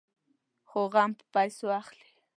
خو غم په پيسو اخلي.